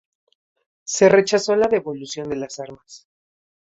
Se rechazó la devolución de las armas.